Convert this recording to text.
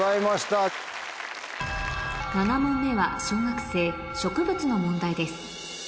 ７問目は小学生植物の問題です